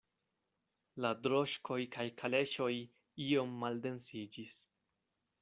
La droŝkoj kaj kaleŝoj iom maldensiĝis.